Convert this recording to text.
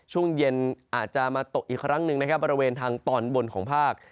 ช่วงเย็นอาจจะมาตกอีกครั้งหนึ่งนะครับบริเวณทางตอนบนของภาค